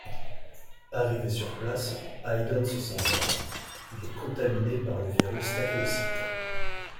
Arrivé sur place Hayden se sent mal, il est contaminé par le virus technocyte.